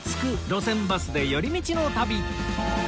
路線バスで寄り道の旅』